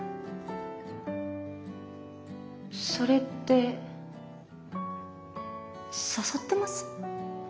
それって誘ってます？